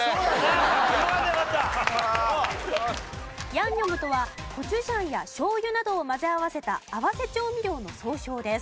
ヤンニョムとはコチュジャンや醤油などを混ぜ合わせた合わせ調味料の総称です。